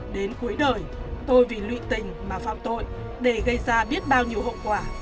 đến cuối đời tôi vì lụy tình mà phạm tội để gây ra biết bao nhiêu hậu quả